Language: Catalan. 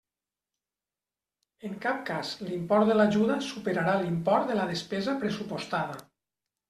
En cap cas l'import de l'ajuda superarà l'import de la despesa pressupostada.